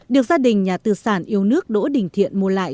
được gia đình nhà tư sản yêu nước đỗ đình thiện mua lại